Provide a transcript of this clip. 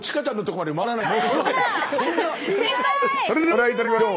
それではご覧頂きましょう。